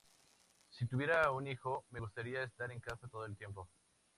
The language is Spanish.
Si tuviera un hijo, me gustaría estar en casa todo el tiempo.